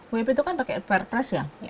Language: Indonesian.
wp itu kan pakai perpres ya